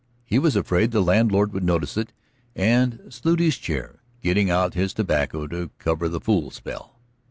He was afraid the landlord would notice it, and slewed his chair, getting out his tobacco to cover the fool spell.